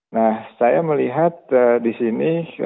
nah saya melihat disini